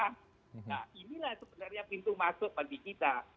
nah inilah sebenarnya pintu masuk bagi kita